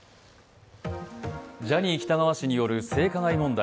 ジャニー喜多川氏による性加害問題。